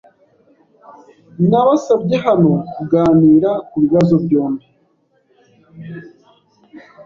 Nabasabye hano kuganira kubibazo byombi.